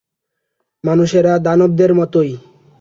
মানুষেরা দানবদের মতোই।